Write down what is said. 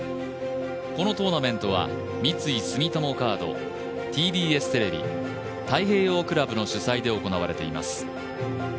このトーナメントは、三井住友カード、ＴＢＳテレビ太平洋クラブの主催で行われています。